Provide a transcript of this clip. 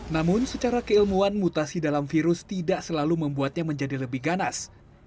namun secara keilmuan mutasi dalam virus tidak selalu membuatnya menjadi lebih ganas